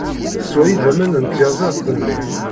Teswa idammen n tyaẓiḍt-nni.